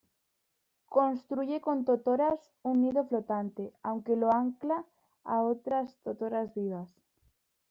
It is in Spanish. Construye con totoras un nido flotante, aunque lo ancla a otras totoras vivas.